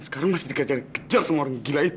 sekarang masih dikejar kejar sama orang gila itu